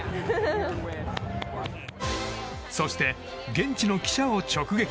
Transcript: そして現地の記者を直撃。